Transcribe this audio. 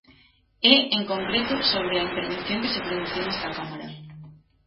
É en concreto sobre a intervención que se produciu nesta Cámara.